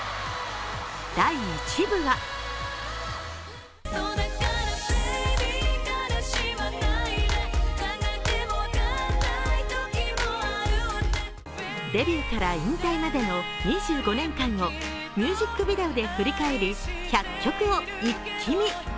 第１部はデビューから引退までのミュージックビデオで振り返り、１００曲を一気見。